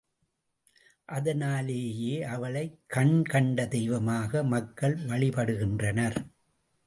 அதனாலேயே அவளை கண்கண்ட தெய்வமாக மக்கள் வழிபடுகின்றனர்.